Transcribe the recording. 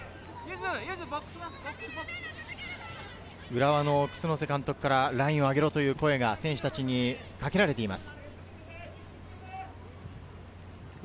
浦和の楠瀬監督からラインを上げろという声が選手にかけられています。